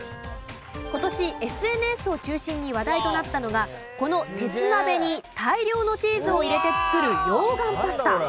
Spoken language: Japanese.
今年ＳＮＳを中心に話題となったのがこの鉄鍋に大量のチーズを入れて作る溶岩パスタ。